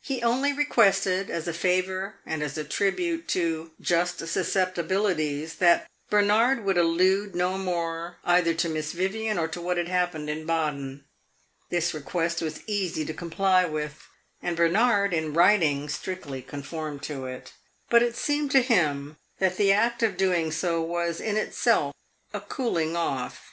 He only requested, as a favor and as a tribute to "just susceptibilities," that Bernard would allude no more either to Miss Vivian or to what had happened at Baden. This request was easy to comply with, and Bernard, in writing, strictly conformed to it; but it seemed to him that the act of doing so was in itself a cooling off.